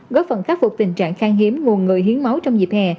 góp phần khắc phục tình trạng khang hiếm nguồn người hiến máu trong dịp hè